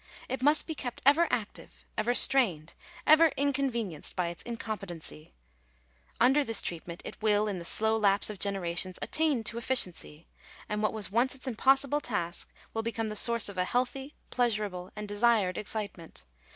It must be kept ever active, ever strained, ever inconvenienced by its incompetency. Under this treatment it will, in the slow lapse of generations, attain to efficiency; and what was once its impossible task will become the source of a healthy, pleasurable, and desired excitement.